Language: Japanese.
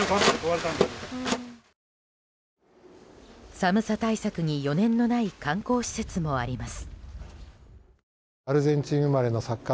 寒さ対策に余念のない観光施設もあります。